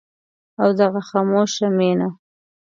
او دغه خاموشه مينه